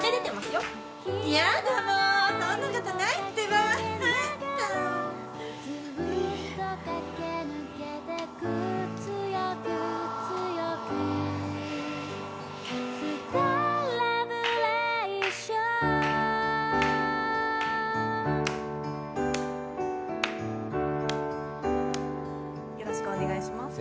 よろしくお願いします。